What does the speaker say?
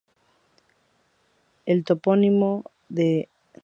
El topónimo de Albalate puede tener su origen en el árabe "al-balat", "la calzada".